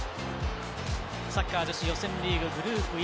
サッカー女子予選リーググループＥ